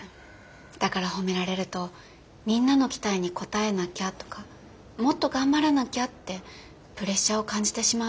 だから褒められるとみんなの期待に応えなきゃとかもっと頑張らなきゃってプレッシャーを感じてしまうみたいで。